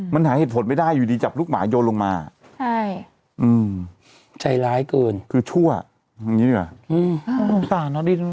มันหายเหตุผลไม่ได้อยู่ดีจับลูกหมาโยนลงมาใช่อืมใจร้ายกลืนคือชั่วอันนี้ดีกว่า